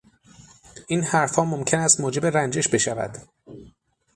این حرفها ممکن است موجب رنجش بشود.